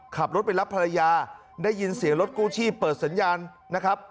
ขับรถไปรับภรรยาได้ยินเสียงรถกู้ชีพเปิดสัญญาณนะครับ